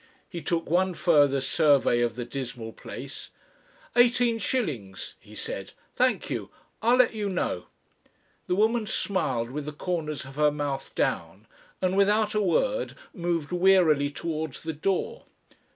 He took one further survey of the dismal place, "Eighteen shillings," he said. "Thank you ... I'll let you know." The woman smiled with the corners of her mouth down, and without a word moved wearily towards the door.